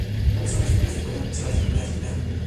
Pocas obras le puedan ser atribuidas con total seguridad.